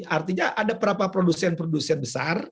artinya ada berapa produsen produsen besar